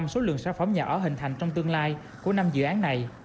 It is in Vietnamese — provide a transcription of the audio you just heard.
năm mươi số lượng sản phẩm nhà ở hình thành trong tương lai của năm dự án này